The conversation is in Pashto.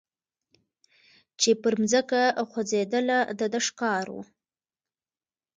چي پر مځکه خوځېدله د ده ښکار وو